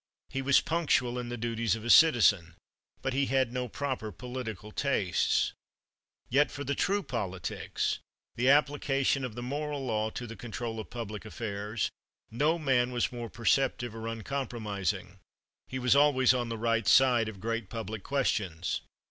He was punctual in the duties of a citizen. But he had no proper political tastes. Yet for the true politics, the application of the moral law to the control of public affairs, no man was more perceptive or uncompromising. He was always on the right side of great public questions.